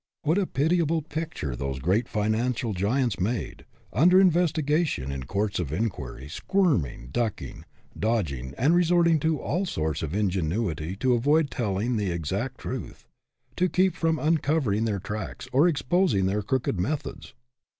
What a pitiable picture those great financial giants made, under investigation in courts of inquiry, squirming, ducking, dodging, and re sorting to all sorts of ingenuity to avoid tell ing the exact truth to keep from uncover ing their tracks or exposing their crooked methods